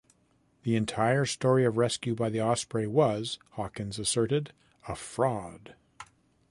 The entire story of rescue by the "Osprey" was, Hawkins asserted, a fraud.